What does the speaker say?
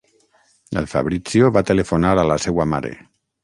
El Fabrizio va telefonar a la seua mare.